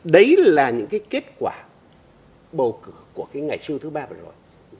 đấy là những cái kết quả bầu cử của cái ngày siêu thứ ba vừa rồi